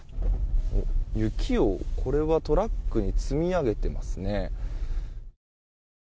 雪を、トラックに積み上げていますね。